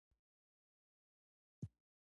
چرګان یو بل ته ځانونه ښکاره کوي.